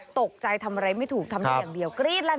ตกใจทำอะไรไม่ถูกทำได้อย่างเดียว